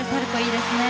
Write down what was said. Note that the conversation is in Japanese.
いいですね。